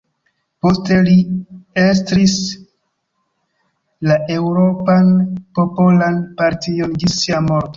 Poste li estris la Eŭropan Popolan Partion ĝis sia morto.